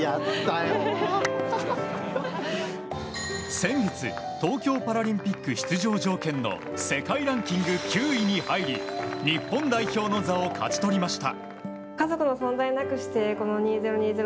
先月、東京パラリンピック出場条件の世界ランキング９位に入り日本代表の座を勝ち取りました。